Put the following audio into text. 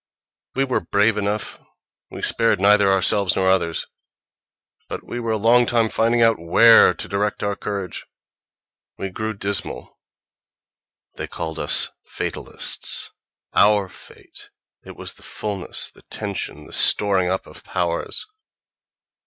We were brave enough; we spared neither ourselves nor others; but we were a long time finding out where to direct our courage. We grew dismal; they called us fatalists. Our fate—it was the fulness, the tension, the storing up of powers.